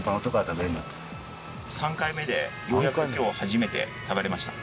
３回目でようやく今日初めて食べられました。